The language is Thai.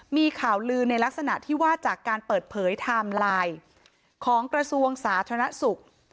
มีข่าวลือในลักษณะที่ว่าจากการเปิดเผยไทม์ไลน์ของกระทรวงสาธารณสุข